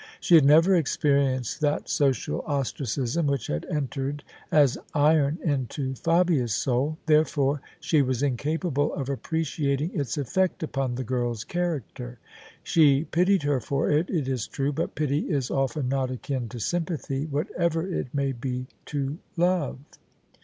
She had never experienced that social ostracism which had entered as iron into Fabia's soul : there fore she was incapable of appreciating its eflFect upon the girl's character. She pitied her for it, it is true: but pity IS often not akin to sympathy, whatever it may be to love.